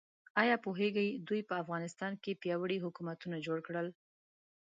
ایا پوهیږئ دوی په افغانستان کې پیاوړي حکومتونه جوړ کړل؟